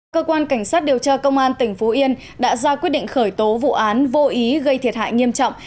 cơ quan cảnh sát điều tra công an tỉnh phú yên đã ra quyết định khởi tố vụ án vô ý gây thiệt hại nghiêm trọng